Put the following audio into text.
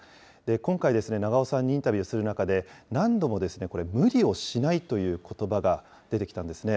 今回ですね、長尾さんにインタビューする中で、何度もこれ、無理をしないということばが出てきたんですね。